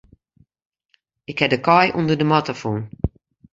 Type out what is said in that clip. Ik ha de kaai ûnder de matte fûn.